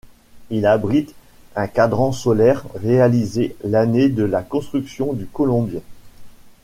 Il abrite un cadran solaire réalisé l'année de la construction du colombier.